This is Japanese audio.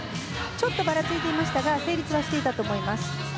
ちょっとばらついていましたが成立はしていたと思います。